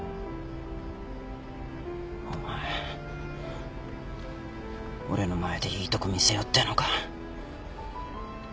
お前俺の前でいいとこ見せようっていうのか？